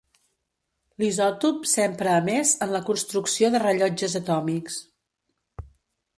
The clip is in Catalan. L'isòtop s'empra a més en la construcció de rellotges atòmics.